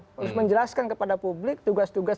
harus menjelaskan kepada publik tugas tugas